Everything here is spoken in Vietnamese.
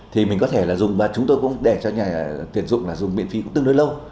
thì mình có thể là dùng và chúng tôi cũng để cho nhà tuyển dụng là dùng miễn phí cũng tương đối lâu